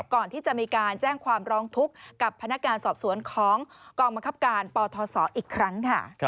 ก่อนที่จะมีการแจ้งความร้องทุกข์กับพนักงานสอบสวนของกองบังคับการปทศอีกครั้งค่ะ